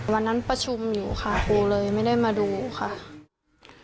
วันนั้นประชุมอยู่ค่ะครูเลยไม่ได้มาดูค่ะ